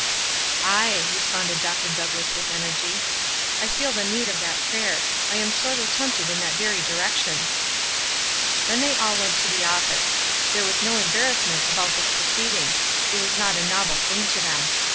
'" "Aye," responded Dr. Douglass, with energy. "I feel the need of that prayer. I am sorely tempted in that very direction." Then they all went to the office. There was no embarrassment about this proceeding — it was not a novel thing to them.